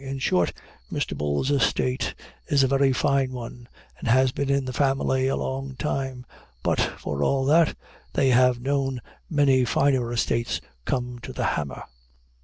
In short, Mr. Bull's estate is a very fine one, and has been in the family a long time; but, for all that, they have known many finer estates come to the hammer."